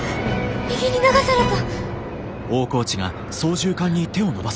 右に流された！